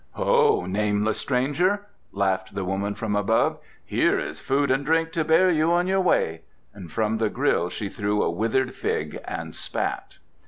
"Ho, nameless stranger," laughed the woman from above, "here is food and drink to bear you on your way"; and from the grille she threw a withered fig and spat.